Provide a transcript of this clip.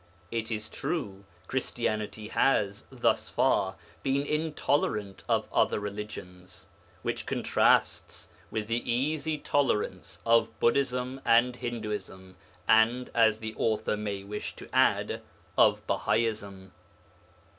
It is true, Christianity has, thus far, been intolerant of other religions, which contrasts with the 'easy tolerance' of Buddhism and Hinduism and, as the author may wish to add, of Bahaism.